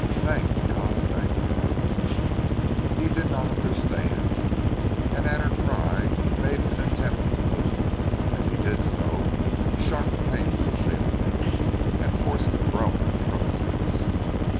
"Thank God! Thank God!" He did not understand, and at her cry made an attempt to move. As he did so, sharp pains assailed him, and forced a groan from his lips.